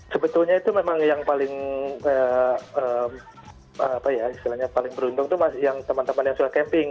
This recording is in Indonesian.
sebetulnya itu memang yang paling beruntung itu yang teman teman yang sudah camping